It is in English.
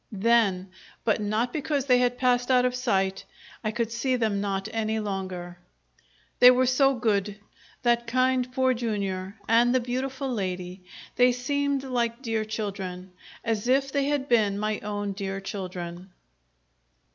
Then, but not because they had passed out of sight, I could see them not any longer. They were so good that kind Poor Jr. and the beautiful lady; they seemed like dear children as if they had been my own dear children.